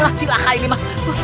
lati lah ini mas